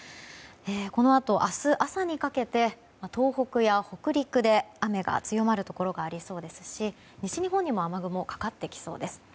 このあと明日朝にかけて東北や北陸で雨が強まるところがありそうですし西日本にも雨雲がかかってきそうです。